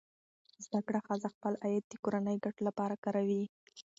زده کړه ښځه خپل عاید د کورنۍ ګټو لپاره کاروي.